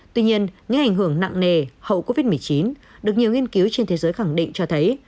tuy nhiên những ảnh hưởng nặng nề hậu covid một mươi chín được nhiều nghiên cứu trên thế giới khẳng định cho thấy